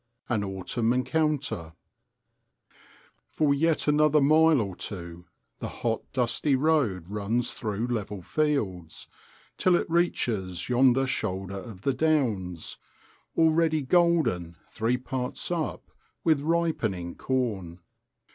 An Autumn Encounter For yet another mile or two the hot dusty road runs through level fields, till it reaches yonder shoulder of the downs, already golden three parts up with ripening corn.